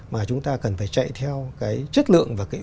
mà chúng ta cần phải chạy theo cái chất lượng và cái uy tín